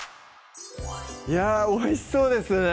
いやぁおいしそうですね